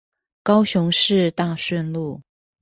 高雄市大順路